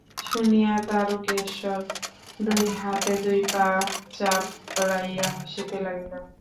শুনিয়া দারুকেশ্বর দুই হাতে দুই পা চাপড়াইয়া হাসিতে লাগিল।